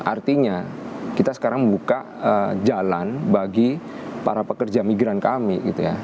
artinya kita sekarang membuka jalan bagi para pekerja migran kami gitu ya